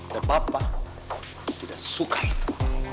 dan papa tidak suka itu